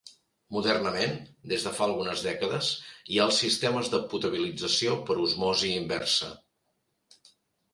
Modernament, des de fa algunes dècades, hi ha els sistemes de potabilització per osmosi inversa.